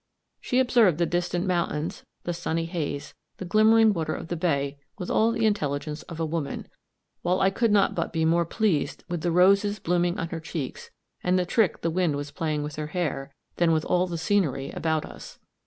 She observed the distant mountains, the sunny haze, the glimmering water of the bay, with all the intelligence of a woman; while I could not but be more pleased with the roses blowing on her cheeks and the trick the wind was playing with her hair, than with all the scenery about us.